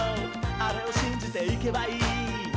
あれをしんじていけばいい」